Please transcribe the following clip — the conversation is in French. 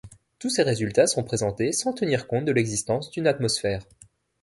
Tous ces résultats sont présentés sans tenir compte de l'existence d'une atmosphère.